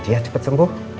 ya cepat sembuh